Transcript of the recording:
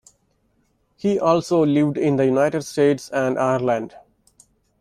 He also lived in the United States and Ireland.